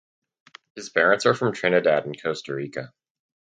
His parents are from Trinidad and Costa Rica.